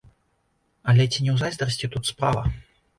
Але ці не ў зайздрасці тут справа?